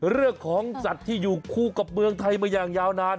เรื่องของสัตว์ที่อยู่คู่กับเมืองไทยมาอย่างยาวนาน